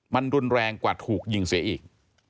มันรุนแรงกว่าถูกยิงเสียอีก